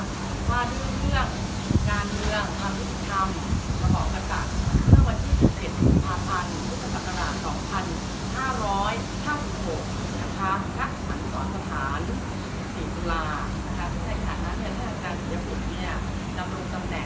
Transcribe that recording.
ความที่เลือกการเลือกความรู้สึกคำ